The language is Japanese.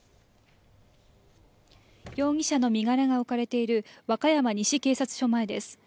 容疑者の身柄が置かれている和歌山西警察署前です。